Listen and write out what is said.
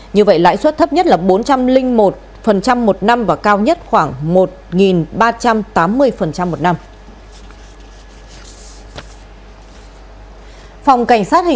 như vậy lãi suất thấp nhất là bốn trăm linh một một năm và cao nhất khoảng một ba trăm linh